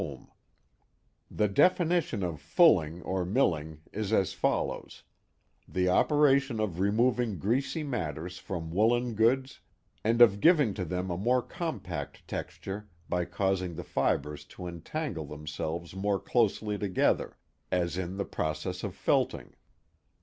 Early Industries 327 The definition of fulling or milling is as follows: the operation of removing greasy matters from woollen goods and of giving to them a more compact texture by causing the fibres to entangle themselves more closely together, as in the process of felting.